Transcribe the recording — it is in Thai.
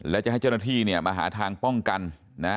และจะให้เจ้าหน้าที่เนี่ยมาหาทางป้องกันนะฮะ